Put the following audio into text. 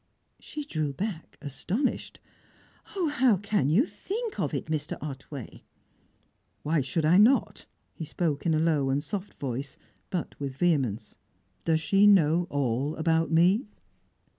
She drew back, astonished. "Oh! how can you think of it, Mr. Otway?" "Why should I not?" he spoke in a low and soft voice, but with vehemence. "Does she know all about me?"